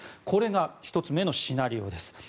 これが１つ目のシナリオです。